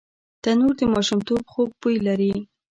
تنور د ماشومتوب خوږ بوی لري